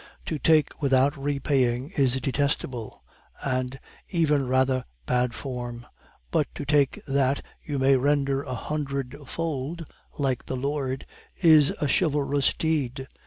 To take without repaying is detestable, and even rather bad form; but to take that you may render a hundred fold, like the Lord, is a chivalrous deed.